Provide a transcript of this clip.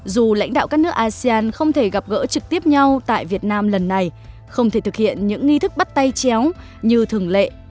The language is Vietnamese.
dù lãnh đạo các nước asean không thể gặp gỡ trực tiếp nhau tại việt nam lần này không thể thực hiện những nghi thức bắt tay chéo như thường lệ